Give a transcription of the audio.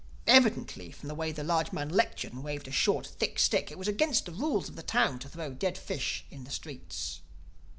Evidently, from the way the large man lectured and waved a short thick stick, it was against the rules of the town to throw dead fish in the streets.